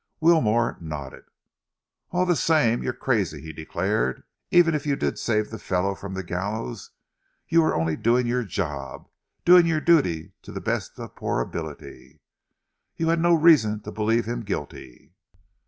Wilmore nodded. "All the same, you're crazy," he declared. "Even if you did save the fellow from the gallows, you were only doing your job, doing your duty to the best of poor ability. You had no reason to believe him guilty."